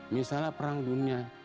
misalnya perang dunia